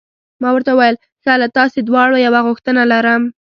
ما ورته وویل: ښه، له تاسي دواړو یوه غوښتنه لرم.